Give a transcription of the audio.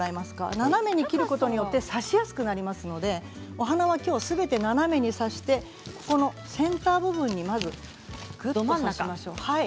斜めに切ることで挿しやすくなりますのでお花はきょう斜めに挿して先端部分にぐっと挿しましょう。